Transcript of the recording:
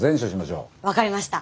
分かりました。